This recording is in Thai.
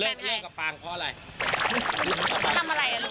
เลิกกับปังเพราะอะไร